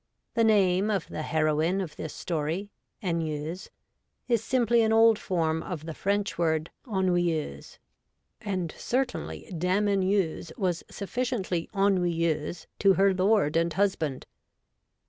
The name of the heroine of this story, Anieuse, is simply an old form of the French word ennuyeuse, and certainly Dame Anieuse was sufficiently ennuyeuse to her lord and husband.